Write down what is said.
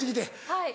はい。